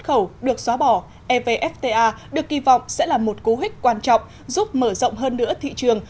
khẩu được xóa bỏ evfta được kỳ vọng sẽ là một cố hích quan trọng giúp mở rộng hơn nữa thị trường